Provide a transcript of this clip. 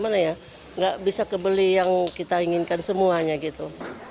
nggak bisa kebeli yang kita inginkan semuanya gitu